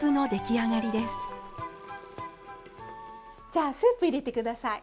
じゃあスープ入れて下さい。